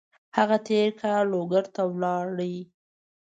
هغه تېر کال لوګر ته لاړ.